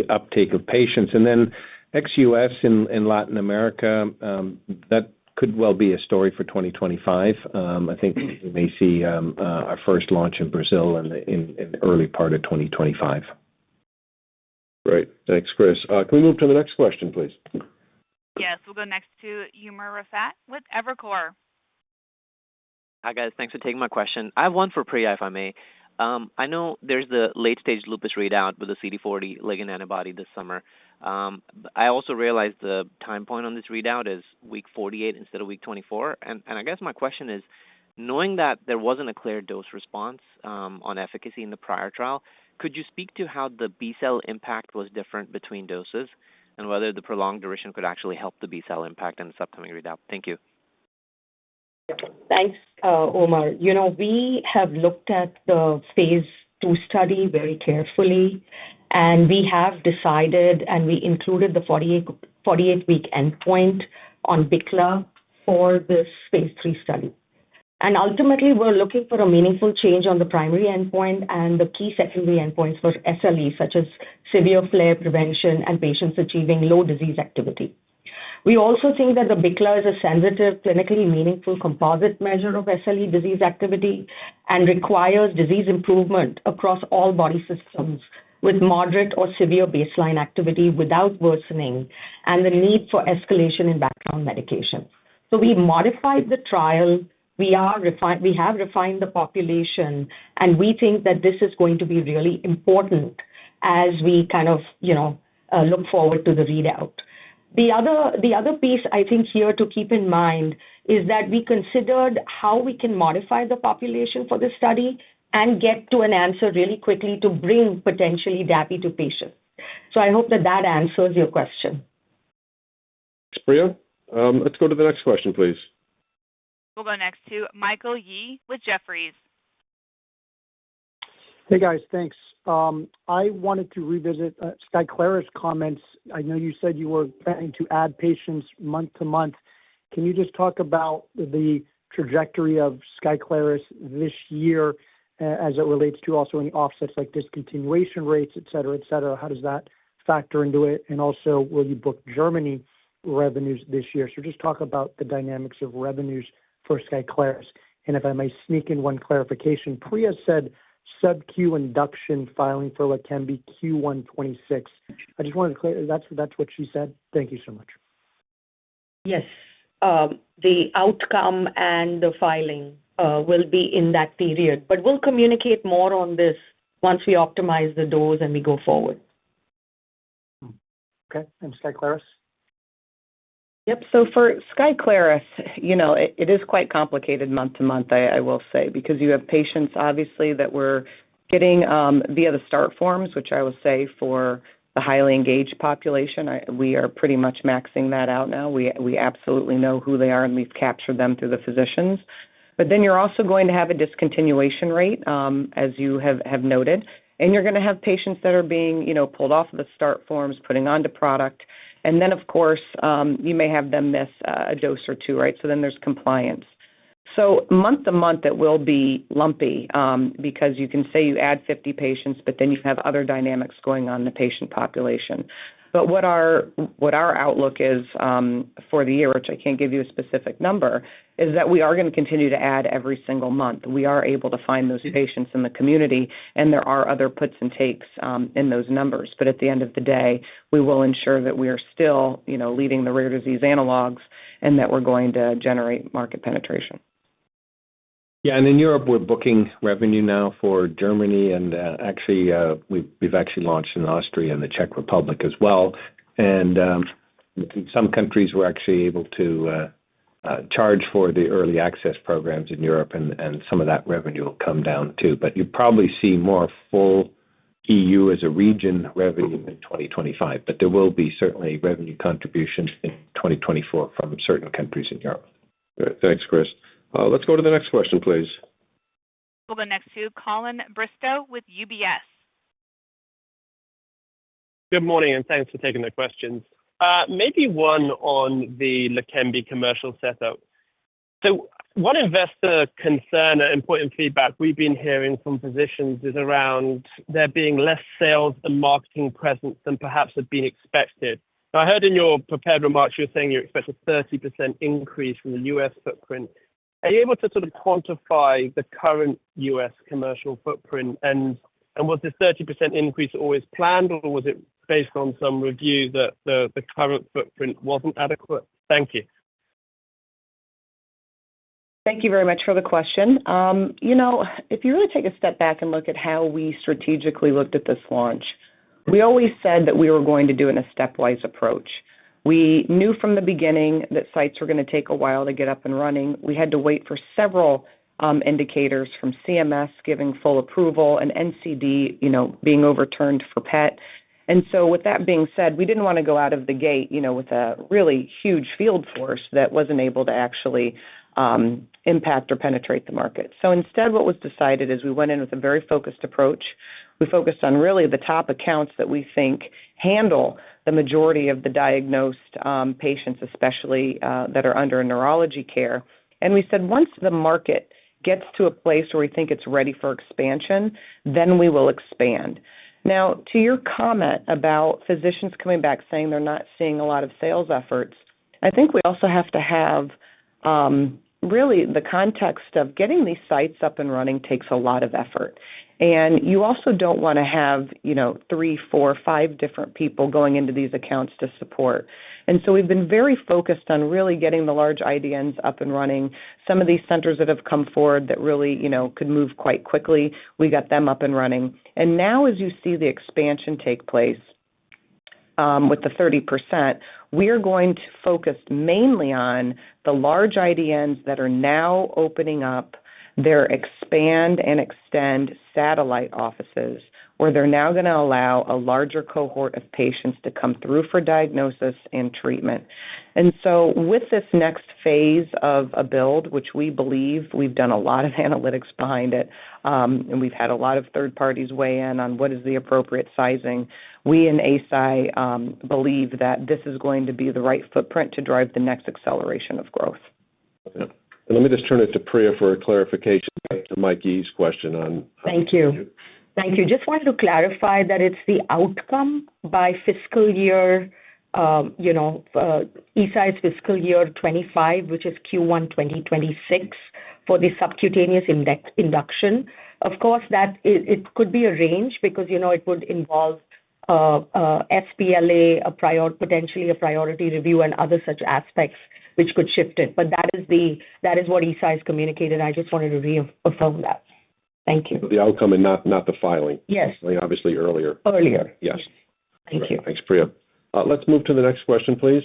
uptake of patients. And then ex-U.S. in Latin America, that could well be a story for 2025. I think we may see our first launch in Brazil in the early part of 2025. Great. Thanks, Chris. Can we move to the next question, please? Yes. We'll go next to Umer Raffat with Evercore. Hi guys. Thanks for taking my question. I have one for Priya, if I may. I know there's the late-stage lupus readout with the CD40 ligand antibody this summer. I also realized the time point on this readout is week 48 instead of week 24. And I guess my question is, knowing that there wasn't a clear dose response on efficacy in the prior trial, could you speak to how the B-cell impact was different between doses and whether the prolonged duration could actually help the B-cell impact in the upcoming readout? Thank you. Thanks, Umar. We have looked at the phase II study very carefully, and we have decided and we included the 48-week endpoint on BICLA for this phase III study. Ultimately, we're looking for a meaningful change on the primary endpoint and the key secondary endpoints for SLE, such as severe flare prevention and patients achieving low disease activity. We also think that the BICLA is a sensitive, clinically meaningful composite measure of SLE disease activity and requires disease improvement across all body systems with moderate or severe baseline activity without worsening and the need for escalation in background medication. We modified the trial. We have refined the population, and we think that this is going to be really important as we kind of look forward to the readout. The other piece, I think, here to keep in mind is that we considered how we can modify the population for this study and get to an answer really quickly to bring potentially Dapi to patients. I hope that that answers your question. Thanks, Priya. Let's go to the next question, please. We'll go next to Michael Yee with Jefferies. Hey guys. Thanks. I wanted to revisit SKYCLARYS comments. I know you said you were planning to add patients month to month. Can you just talk about the trajectory of SKYCLARYS this year as it relates to also any offsets like discontinuation rates, etc., etc.? How does that factor into it? And also, will you book Germany revenues this year? So just talk about the dynamics of revenues for SKYCLARYS. And if I may sneak in one clarification, Priya said Sub-Q induction filing for LEQEMBI Q1 2026. I just wanted to clarify that's what she said. Thank you so much. Yes. The outcome and the filing will be in that period. But we'll communicate more on this once we optimize the dose and we go forward. Okay. And SKYCLARYS? Yep. So for SKYCLARYS, it is quite complicated month-to-month, I will say, because you have patients, obviously, that we're getting via the start forms, which I will say for the highly engaged population, we are pretty much maxing that out now. We absolutely know who they are, and we've captured them through the physicians. But then you're also going to have a discontinuation rate, as you have noted. And you're going to have patients that are being pulled off of the start forms, putting onto product. And then, of course, you may have them miss a dose or two, right? So then there's compliance. So month-to-month, it will be lumpy because you can say you add 50 patients, but then you have other dynamics going on in the patient population. What our outlook is for the year, which I can't give you a specific number, is that we are going to continue to add every single month. We are able to find those patients in the community, and there are other puts and takes in those numbers. At the end of the day, we will ensure that we are still leading the rare disease analogs and that we're going to generate market penetration. Yeah. And in Europe, we're booking revenue now for Germany. And actually, we've actually launched in Austria and the Czech Republic as well. And in some countries, we're actually able to charge for the early access programs in Europe, and some of that revenue will come down too. But you probably see more full EU as a region revenue in 2025, but there will be certainly revenue contributions in 2024 from certain countries in Europe. Great. Thanks, Chris. Let's go to the next question, please. We'll go next to Colin Bristow with UBS. Good morning. Thanks for taking the questions. Maybe one on the LEQEMBI commercial setup. One investor concern, important feedback we've been hearing from physicians is around there being less sales and marketing presence than perhaps had been expected. Now, I heard in your prepared remarks, you were saying you expect a 30% increase in the U.S. footprint. Are you able to sort of quantify the current U.S. commercial footprint? And was this 30% increase always planned, or was it based on some review that the current footprint wasn't adequate? Thank you. Thank you very much for the question. If you really take a step back and look at how we strategically looked at this launch, we always said that we were going to do it in a stepwise approach. We knew from the beginning that sites were going to take a while to get up and running. We had to wait for several indicators from CMS giving full approval and NCD being overturned for PET. And so with that being said, we didn't want to go out of the gate with a really huge field force that wasn't able to actually impact or penetrate the market. So instead, what was decided is we went in with a very focused approach. We focused on really the top accounts that we think handle the majority of the diagnosed patients, especially that are under neurology care. We said once the market gets to a place where we think it's ready for expansion, then we will expand. Now, to your comment about physicians coming back saying they're not seeing a lot of sales efforts, I think we also have to have really the context of getting these sites up and running takes a lot of effort. You also don't want to have three, four, five different people going into these accounts to support. So we've been very focused on really getting the large IDNs up and running. Some of these centers that have come forward that really could move quite quickly, we got them up and running. Now, as you see the expansion take place with the 30%, we are going to focus mainly on the large IDNs that are now opening up their expand and extend satellite offices where they're now going to allow a larger cohort of patients to come through for diagnosis and treatment. So with this next phase of a build, which we believe we've done a lot of analytics behind it, and we've had a lot of third parties weigh in on what is the appropriate sizing, we in ACI believe that this is going to be the right footprint to drive the next acceleration of growth. Okay. Let me just turn it to Priya for a clarification to Mike Yee's question on. Thank you. Thank you. Just wanted to clarify that it's the outcome by fiscal year, ECI's fiscal year 2025, which is Q1 2026, for the subcutaneous induction. Of course, it could be a range because it would involve sBLA, potentially a priority review, and other such aspects, which could shift it. But that is what ECI has communicated. I just wanted to reaffirm that. Thank you. So the outcome and not the filing? Yes. Obviously, earlier? Earlier. Yes. Thank you. Thanks, Priya. Let's move to the next question, please.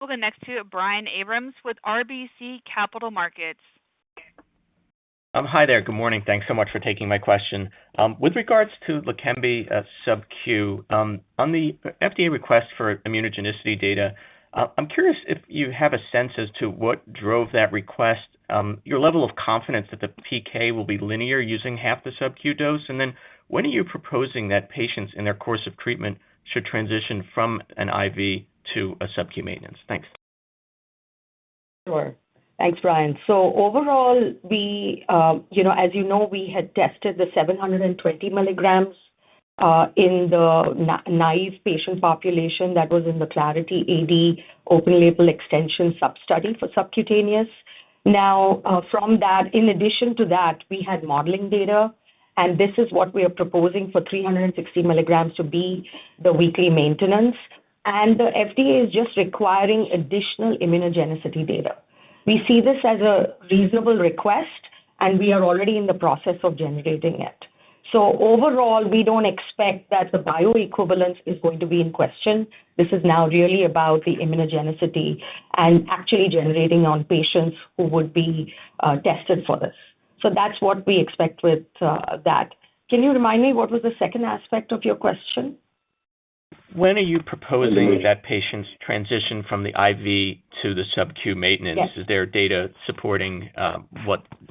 We'll go next to Brian Abrahams with RBC Capital Markets. Hi there. Good morning. Thanks so much for taking my question. With regards to LEQEMBI Sub-Q, on the FDA request for immunogenicity data, I'm curious if you have a sense as to what drove that request, your level of confidence that the PK will be linear using half the Sub-Q dose. And then when are you proposing that patients in their course of treatment should transition from an IV to a Sub-Q maintenance? Thanks. Sure. Thanks, Brian. So overall, as you know, we had tested the 720mg in the naïve patient population that was in the Clarity AD open-label extension substudy for subcutaneous. Now, from that, in addition to that, we had modeling data. And this is what we are proposing for 360mg to be the weekly maintenance. And the FDA is just requiring additional immunogenicity data. We see this as a reasonable request, and we are already in the process of generating it. So overall, we don't expect that the bioequivalence is going to be in question. This is now really about the immunogenicity and actually generating on patients who would be tested for this. So that's what we expect with that. Can you remind me what was the second aspect of your question? When are you proposing that patients transition from the IV to the Sub-Q maintenance? Is there data supporting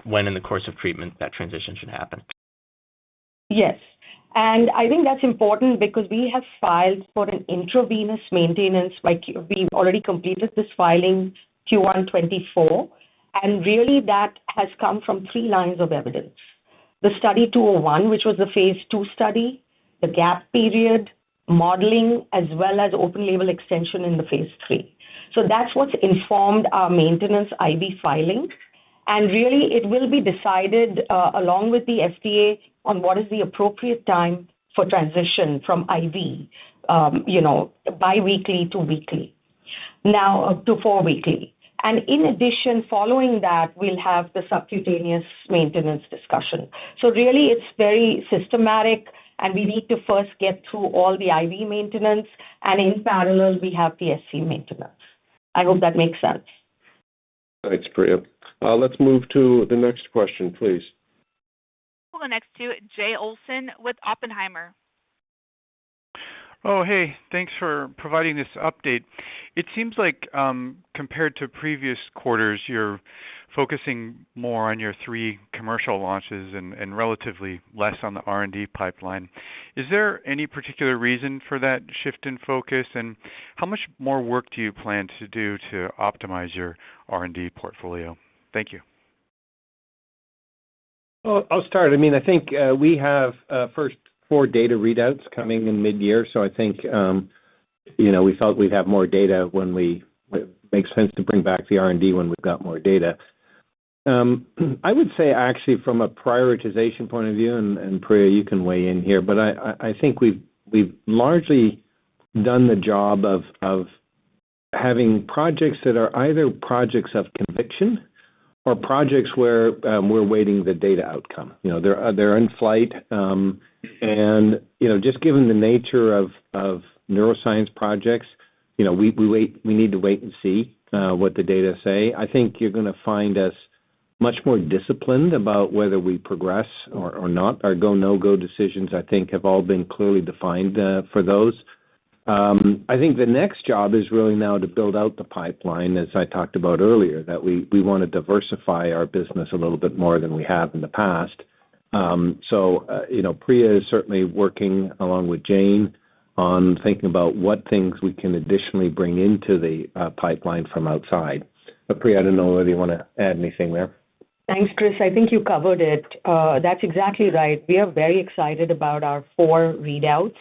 when in the course of treatment that transition should happen? Yes. And I think that's important because we have filed for an intravenous maintenance. We've already completed this filing Q124. And really, that has come from three lines of evidence: the study 201, which was the phase two study, the gap period, modeling, as well as open-label extension in the phase III. So that's what's informed our maintenance IV filing. And really, it will be decided along with the FDA on what is the appropriate time for transition from IV biweekly to four-weekly. And in addition, following that, we'll have the subcutaneous maintenance discussion. So really, it's very systematic, and we need to first get through all the IV maintenance. And in parallel, we have SC maintenance. I hope that makes sense. Thanks, Priya. Let's move to the next question, please. We'll go next to Jay Olson with Oppenheimer. Oh, hey. Thanks for providing this update. It seems like compared to previous quarters, you're focusing more on your three commercial launches and relatively less on the R&D pipeline. Is there any particular reason for that shift in focus? And how much more work do you plan to do to optimize your R&D portfolio? Thank you. Well, I'll start. I mean, I think we have first four data readouts coming in midyear. So I think we felt we'd have more data. It makes sense to bring back the R&D when we've got more data. I would say, actually, from a prioritization point of view and Priya, you can weigh in here, but I think we've largely done the job of having projects that are either projects of conviction or projects where we're waiting the data outcome. They're in flight. And just given the nature of neuroscience projects, we need to wait and see what the data say. I think you're going to find us much more disciplined about whether we progress or not. Our go-no-go decisions, I think, have all been clearly defined for those. I think the next job is really now to build out the pipeline, as I talked about earlier, that we want to diversify our business a little bit more than we have in the past. So Priya is certainly working along with Jane on thinking about what things we can additionally bring into the pipeline from outside. But Priya, I don't know whether you want to add anything there. Thanks, Chris. I think you covered it. That's exactly right. We are very excited about our four readouts.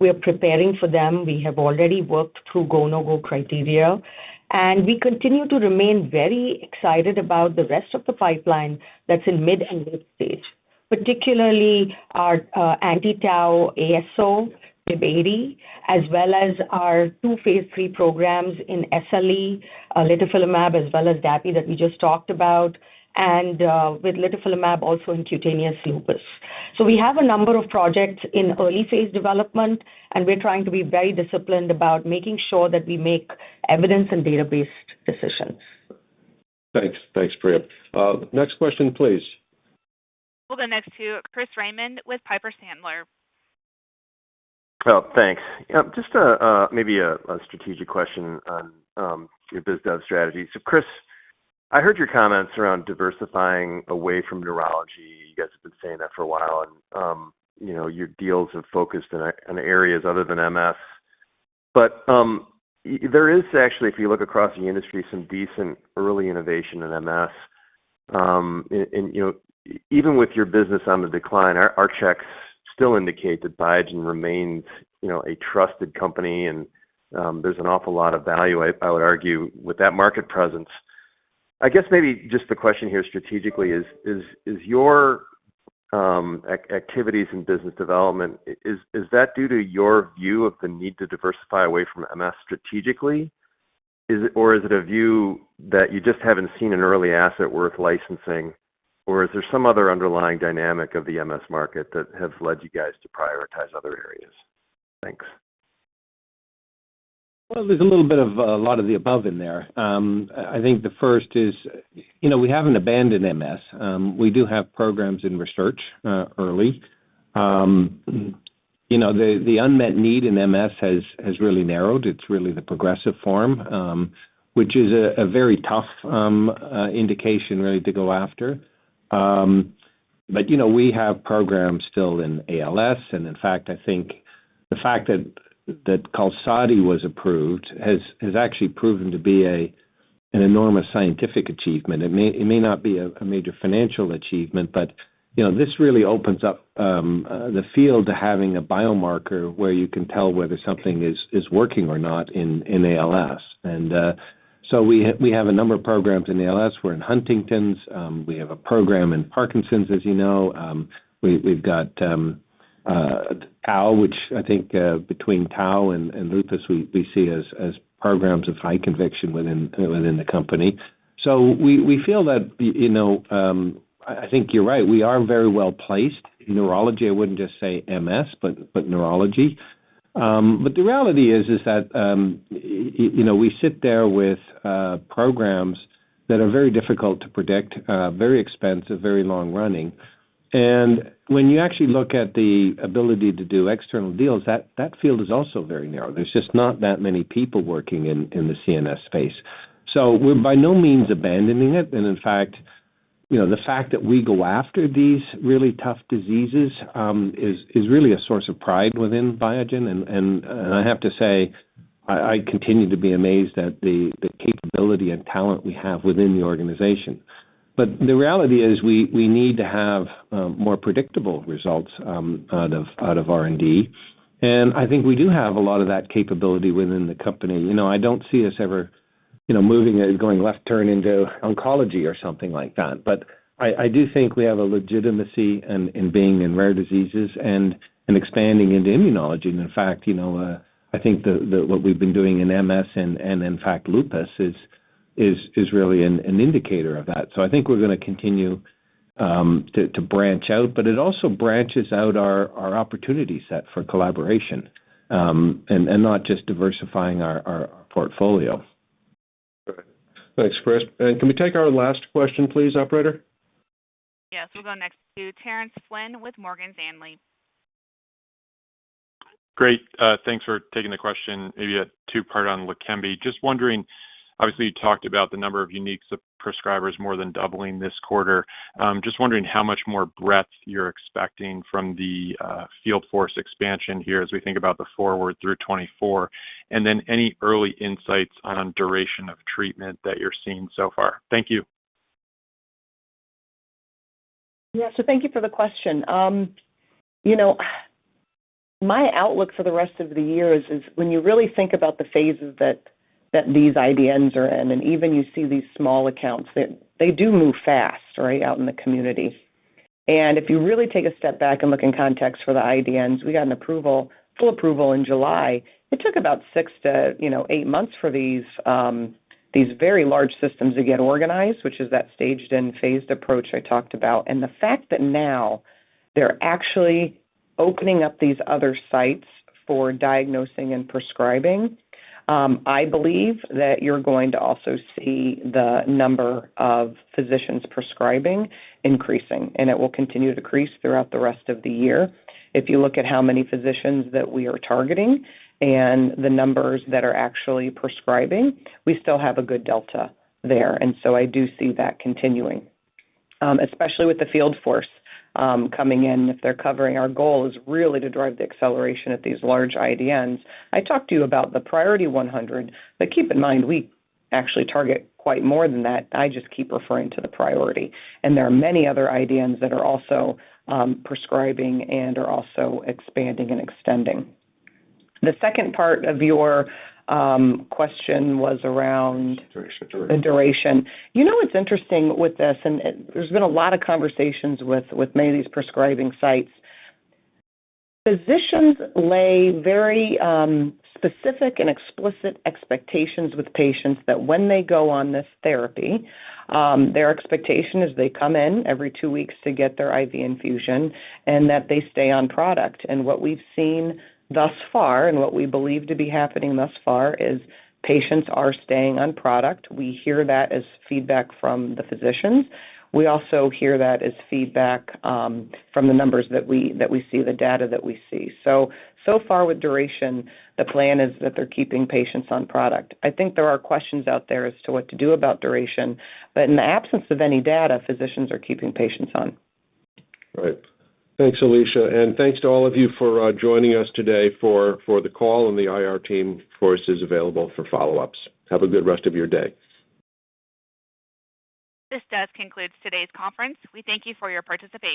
We are preparing for them. We have already worked through go/no-go criteria. We continue to remain very excited about the rest of the pipeline that's in mid- and late-stage, particularly our anti-Tau ASO, BIIB080, as well as our two phase three programs in SLE, Litifilimab, as well as Dapi that we just talked about, and with Litifilimab also in cutaneous lupus. We have a number of projects in early phase development, and we're trying to be very disciplined about making sure that we make evidence and database decisions. Thanks. Thanks, Priya. Next question, please. We'll go next to Chris Raymond with Piper Sandler. Oh, thanks. Just maybe a strategic question on your BizDev strategy. So Chris, I heard your comments around diversifying away from neurology. You guys have been saying that for a while. And your deals have focused on areas other than MS. But there is actually, if you look across the industry, some decent early innovation in MS. And even with your business on the decline, our checks still indicate that Biogen remains a trusted company, and there's an awful lot of value, I would argue, with that market presence. I guess maybe just the question here strategically is, is your activities in business development, is that due to your view of the need to diversify away from MS strategically? Or is it a view that you just haven't seen an early asset worth licensing? Or is there some other underlying dynamic of the MS market that has led you guys to prioritize other areas? Thanks. Well, there's a little bit of a lot of the above in there. I think the first is we haven't abandoned MS. We do have programs in research early. The unmet need in MS has really narrowed. It's really the progressive form, which is a very tough indication, really, to go after. But we have programs still in ALS. And in fact, I think the fact that QALSODY was approved has actually proven to be an enormous scientific achievement. It may not be a major financial achievement, but this really opens up the field to having a biomarker where you can tell whether something is working or not in ALS. And so we have a number of programs in ALS. We're in Huntington's. We have a program in Parkinson's, as you know. We've got Tau, which I think between Tau and lupus, we see as programs of high conviction within the company. So we feel that I think you're right. We are very well placed in neurology. I wouldn't just say MS, but neurology. But the reality is that we sit there with programs that are very difficult to predict, very expensive, very long-running. And when you actually look at the ability to do external deals, that field is also very narrow. There's just not that many people working in the CNS space. So we're by no means abandoning it. And in fact, the fact that we go after these really tough diseases is really a source of pride within Biogen. And I have to say, I continue to be amazed at the capability and talent we have within the organization. But the reality is we need to have more predictable results out of R&D. And I think we do have a lot of that capability within the company. I don't see us ever moving it, going left turn into oncology or something like that. But I do think we have a legitimacy in being in rare diseases and expanding into immunology. And in fact, I think what we've been doing in MS and, in fact, lupus is really an indicator of that. So I think we're going to continue to branch out. But it also branches out our opportunity set for collaboration and not just diversifying our portfolio. Right. Thanks, Chris. Can we take our last question, please, operator? Yes. We'll go next to Terence Flynn with Morgan Stanley. Great. Thanks for taking the question, maybe a two-part on LEQEMBI. Just wondering, obviously, you talked about the number of unique prescribers more than doubling this quarter. Just wondering how much more breadth you're expecting from the field force expansion here as we think about the forward through 2024, and then any early insights on duration of treatment that you're seeing so far. Thank you. Yeah. So thank you for the question. My outlook for the rest of the year is when you really think about the phases that these IDNs are in, and even you see these small accounts, they do move fast, right, out in the community. And if you really take a step back and look in context for the IDNs, we got an approval, full approval in July. It took about six-eight months for these very large systems to get organized, which is that staged and phased approach I talked about. And the fact that now they're actually opening up these other sites for diagnosing and prescribing, I believe that you're going to also see the number of physicians prescribing increasing. And it will continue to decrease throughout the rest of the year. If you look at how many physicians that we are targeting and the numbers that are actually prescribing, we still have a good delta there. And so I do see that continuing, especially with the field force coming in. If they're covering, our goal is really to drive the acceleration at these large IDNs. I talked to you about the priority 100. But keep in mind, we actually target quite more than that. I just keep referring to the priority. And there are many other IDNs that are also prescribing and are also expanding and extending. The second part of your question was around. Duration. Duration. The duration. It's interesting with this, and there's been a lot of conversations with many of these prescribing sites. Physicians lay very specific and explicit expectations with patients that when they go on this therapy, their expectation is they come in every two weeks to get their IV infusion and that they stay on product. And what we've seen thus far and what we believe to be happening thus far is patients are staying on product. We hear that as feedback from the physicians. We also hear that as feedback from the numbers that we see, the data that we see. So far with duration, the plan is that they're keeping patients on product. I think there are questions out there as to what to do about duration. But in the absence of any data, physicians are keeping patients on. Right. Thanks, Alisha. Thanks to all of you for joining us today for the call. The IR team, of course, is available for follow-ups. Have a good rest of your day. This does conclude today's conference. We thank you for your participation.